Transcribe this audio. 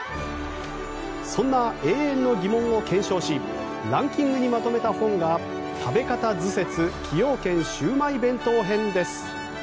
そんな永遠の疑問を検証しランキングにまとめた本が「食べ方図説崎陽軒シウマイ弁当編」です。